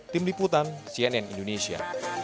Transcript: tim liputan cnn indonesia